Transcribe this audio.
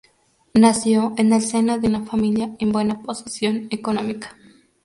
Nació en el seno de una familia en buena posición económica.